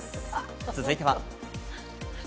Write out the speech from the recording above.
続いては。